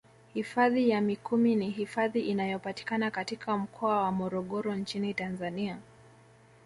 Hifadhi ya mikumi ni hifadhi inayopatikana katika mkoa wa morogoro nchini Tanzania